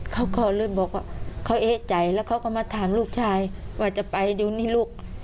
เขาก็เลยบอกว่าเขาเอ๊ะใจแล้วเขาก็มาถามลูกชายว่าจะไปดูนี่ลูก